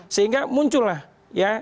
sehingga muncul lah ya